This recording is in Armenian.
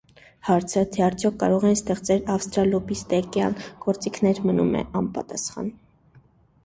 Հարցը, թե արդյոք կարող էին ստեղծվել ավստրալոպիտեկյան գործիքներ, մնում է անպատասխան։